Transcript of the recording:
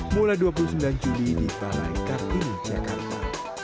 mulai dua puluh sembilan juli di balai kartini jakarta